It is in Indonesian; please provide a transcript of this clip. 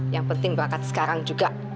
yang penting berangkat sekarang juga